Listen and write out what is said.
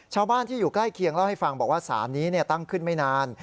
ชาวบ้านที่อยู่ใกล้เคียงเล่าให้ฟังบอกว่าสารนี้ตั้งขึ้นไม่นาน